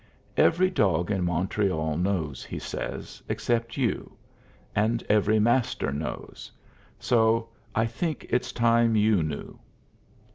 "Every dog in Montreal knows," he says, "except you; and every Master knows. So I think it's time you knew."